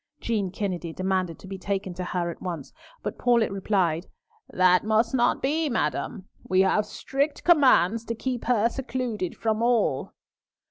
Jean Kennedy demanded to be taken to her at once, but Paulett replied, "That must not be, madam. We have strict commands to keep her secluded from all."